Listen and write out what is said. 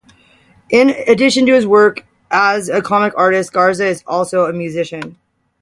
In addition to his work as a comic artist, Garza is also a musician.